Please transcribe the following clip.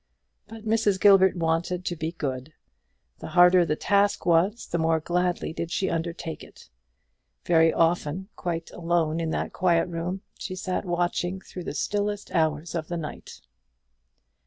But Mrs. Gilbert wanted to be good; the harder the task was, the more gladly did she undertake it. Very often, quite alone in that quiet room, she sat watching through the stillest hours of the night.